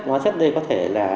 hóa chất đây có thể là